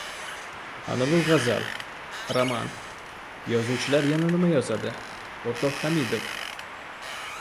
Anavi g‘azal, roman... yozuvchilar yana nima yozadi, o‘rtoq Hamidov?